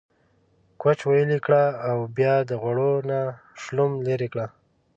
کوچ ويلي کړه او بيا د غوړو نه شلوم ليرې کړه۔